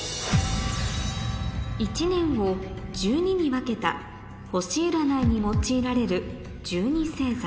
一年を１２に分けた星占いに用いられる１２星座